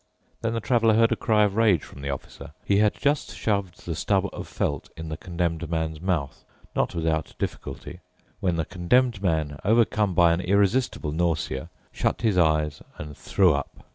Then the Traveler heard a cry of rage from the Officer. He had just shoved the stub of felt in the Condemned Man's mouth, not without difficulty, when the Condemned Man, overcome by an irresistible nausea, shut his eyes and threw up.